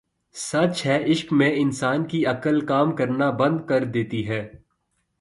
سچ ہے عشق میں انسان کی عقل کام کرنا بند کر دیتی ہے